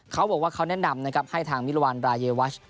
เขาบอกว่าเขาแนะนำให้ทางมิรวารรายเยวัช